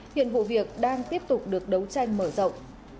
hiện vụ việc đang tiếp tục được đấu tranh mở rộng